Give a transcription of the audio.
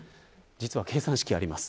実は計算式があります。